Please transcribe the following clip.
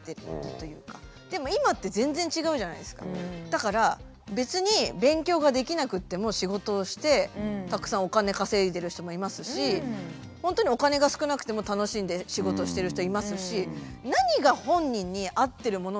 だから別に勉強ができなくても仕事をしてたくさんお金稼いでる人もいますし本当にお金が少なくても楽しんで仕事してる人はいますし。